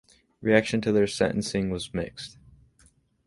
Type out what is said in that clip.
Reaction to their sentencing was mixed.